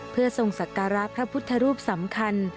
เพื่อทรงสักการะพระพุทธรูปสำคัญ